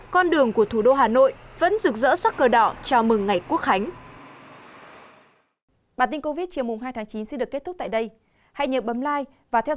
con đường của thủ đô hà nội vẫn rực rỡ sắc cờ đỏ chào mừng ngày quốc khánh